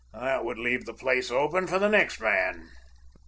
That would leave the place open for the next man."